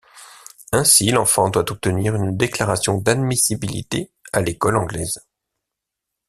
Ainsi, l'enfant doit obtenir une déclaration d'admissibilité à l'école anglaise.